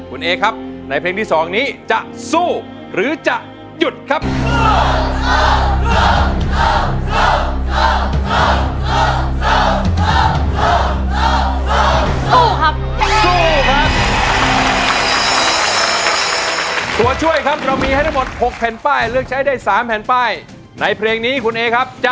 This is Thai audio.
คุณเอครับในเพลงที่๒นี้จะสู้หรือจะหยุดครับ